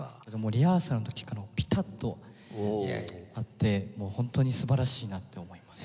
リハーサルの時からピタッと合ってもう本当に素晴らしいなって思います。